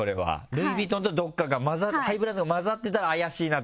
ルイ・ヴィトンとどっかがハイブランドが交ざってたら怪しいなと。